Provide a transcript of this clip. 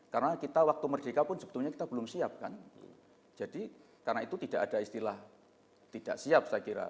karena kita waktu merdeka pun sebetulnya kita belum siap kan jadi karena itu tidak ada istilah tidak siap saya kira